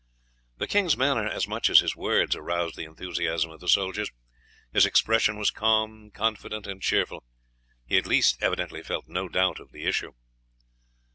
The king's manner as much as his words aroused the enthusiasm of the soldiers; his expression was calm, confident, and cheerful, he at least evidently felt no doubt of the issue.